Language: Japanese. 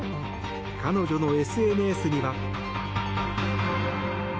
彼女のＳＮＳには。